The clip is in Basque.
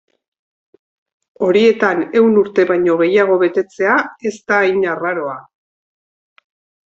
Horietan ehun urte baino gehiago betetzea ez da hain arraroa.